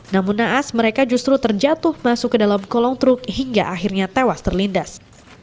namun naas mereka justru terjatuh masuk ke dalam kolong truk hingga akhirnya tewas terlindas